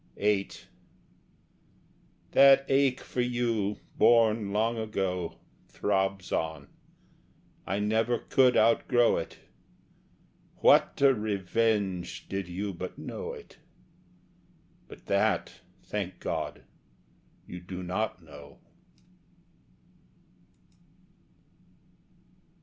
VIII That ache for you, born long ago, Throbs on; I never could outgrow it. What a revenge, did you but know it! But that, thank God, you do not know.